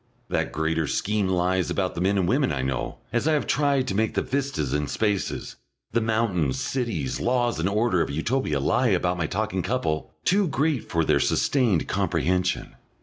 That greater scheme lies about the men and women I know, as I have tried to make the vistas and spaces, the mountains, cities, laws, and order of Utopia lie about my talking couple, too great for their sustained comprehension.